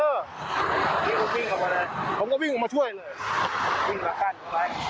ของสารน้องเขาอยู่ไปตีเขาได้ไงอ่ะเพราะว่าผู้หญิงคนตะกี้เนี้ย